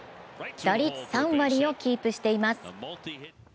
打率３割をキープしています。